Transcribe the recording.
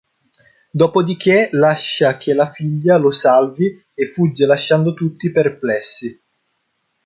Dopodiché lascia che la figlia lo salvi e fugge lasciando tutti perplessi.